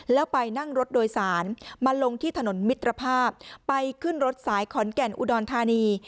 แล้วไปนั่งรถโดยสารมาลงที่ถนนมิตรภาพไปขึ้นรถสายขอนแก่นอุดรธานี